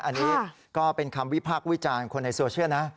อันนี้ก็เป็นคำวิพากษ์วิจารณ์คนในโซเชียลนะ